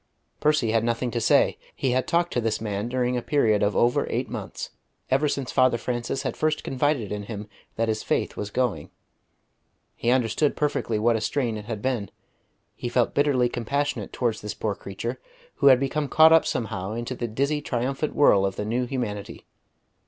Percy had nothing to say. He had talked to this man during a period of over eight months, ever since Father Francis had first confided in him that his faith was going. He understood perfectly what a strain it had been; he felt bitterly compassionate towards this poor creature who had become caught up somehow into the dizzy triumphant whirl of the New Humanity.